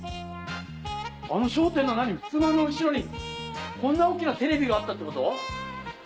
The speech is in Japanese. あの『笑点』のふすまの後ろにこんな大っきなテレビがあったってこと？